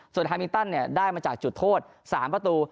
ส่วนฮามินตันได้มาจากจุดโทษ๓ประตู